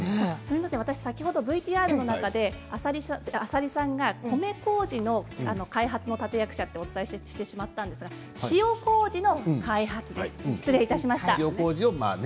先ほどＶＴＲの中で浅利さんが、米こうじの開発の立て役者とお伝えしましたが塩こうじの開発です。